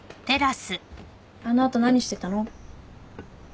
あの後何してたの？